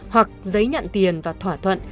hoặc giấy nhận tiền và thỏa thuận